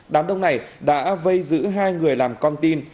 đám đông này đã vây giữ hai người làm con tin